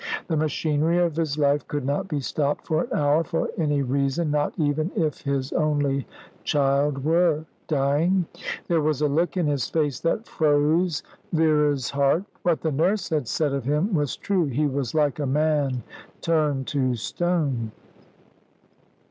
The machinery of his life could not be stopped for an hour, for any reason, not even if his only child were dying. There was a look in his face that froze Vera's heart. What the nurse had said of him was true. He was like a man turned to stone.